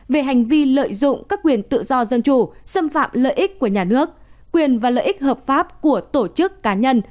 về hành vi lợi dụng các quyền tự do dân chủ xâm phạm lợi ích của nhà nước quyền và lợi ích hợp pháp của tổ chức cá nhân